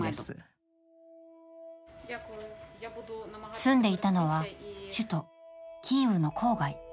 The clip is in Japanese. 住んでいたのは、首都キーウの郊外。